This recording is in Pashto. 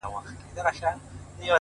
خپه وې چي وړې _ وړې _وړې د فريادي وې _